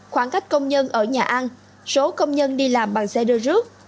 khoảng cách công nhân ở nhà ăn số công nhân đi làm bằng xe đưa rước